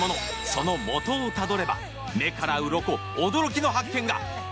そのモトをたどれば目からウロコ驚きの発見が。